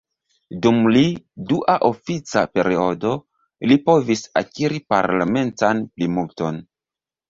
Dum li dua ofica periodo, li povis akiri parlamentan plimulton.